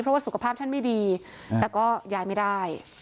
เพราะว่าสุขภาพท่านไม่ดีแต่ก็ย้ายไม่ได้